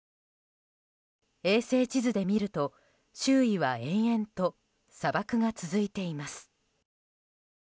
衛星地図で見ると周囲は延々と砂漠が続いています。